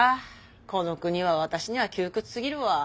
この国は私には窮屈すぎるわ。